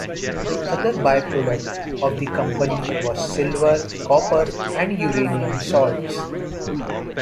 The other byproduct of the company was silver, copper, and uranium salts.